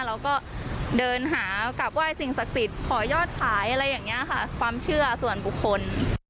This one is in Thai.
เราก็เดินหากลับไหว้สิ่งศักดิ์สิทธิ์ขอยอดขายอะไรอย่างนี้ค่ะความเชื่อส่วนบุคคล